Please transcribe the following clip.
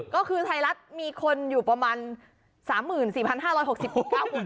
ก็คือไทยรัฐมีคนอยู่ประมาณ๓๔๕๖๖๙คน